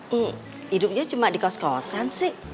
hmm hidupnya cuma di kos kosan sih